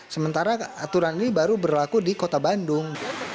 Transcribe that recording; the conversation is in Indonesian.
sementara aturan ini baru berlaku di kota bandung